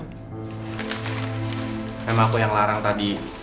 emang aku yang larang tadi